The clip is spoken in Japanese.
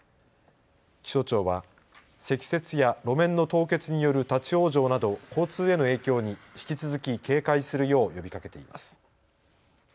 気象庁は、積雪や路面の凍結による立往生など交通への影響に引き続き警戒するよう呼びかけています。